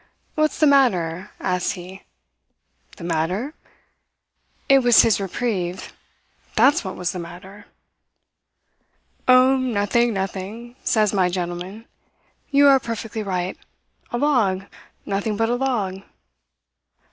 What's the matter?' asks he. "The matter! It was his reprieve that's what was the matter. "'O, nothing, nothing,' says my gentleman. 'You are perfectly right. A log nothing but a log.'